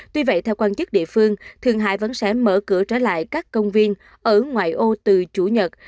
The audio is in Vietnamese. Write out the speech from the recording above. tuy vậy theo quan chức địa phương thường hải vẫn sẽ mở cửa trở lại các công viên ở ngoại ô từ chủ nhật